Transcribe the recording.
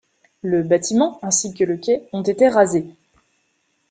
Le bâtiment ainsi que le quai ont été rasés.